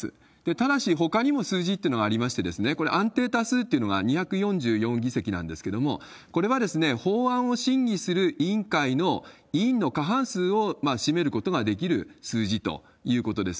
ただし、ほかにも数字っていうのがありまして、これ、安定多数っていうのが２４４議席なんですけれども、これは法案を審議する委員会の委員の過半数を占めることができる数字ということです。